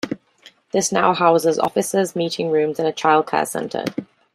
This now houses offices, meeting rooms and a childcare centre.